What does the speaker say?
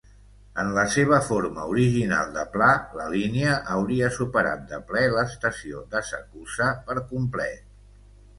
En la seva forma original de pla, la línia hauria superat de ple l'estació d'Asakusa per complet.